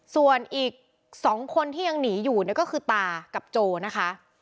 ส่วนอีก๒คนที่ยังหนีอยู่เนี่ยก็คือตากับโจนะคะ